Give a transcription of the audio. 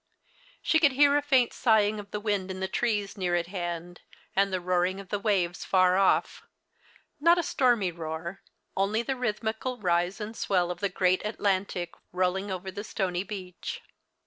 iShe could hear a faint sigh ing of the wind in the trees near at hand, and the roaring of the waves far off", not a stormy roar, 'In only the rhythmical rise and swell of the f" U great Atlantic roll ins: over the stonv beach.